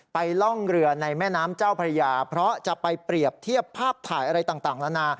ล่องเรือในแม่น้ำเจ้าพระยาเพราะจะไปเปรียบเทียบภาพถ่ายอะไรต่างนานา